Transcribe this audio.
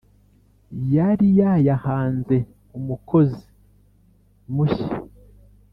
yari yayahanze umukozi mushya